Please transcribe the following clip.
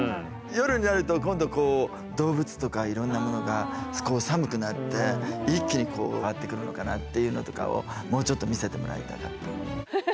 夜になると今度こう動物とかいろんなものが寒くなって一気にこうわって来るのかなっていうのとかをもうちょっと見せてもらいたかった。